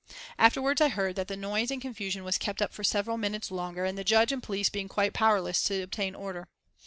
Afterwards I heard that the noise and confusion was kept up for several minutes longer, the Judge and the police being quite powerless to obtain order.